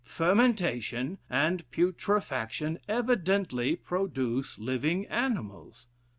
Fermentation and putrefaction evidently produce living animals.